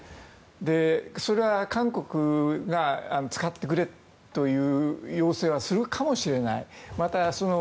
それは韓国が使ってくれという要請はするかもしれない。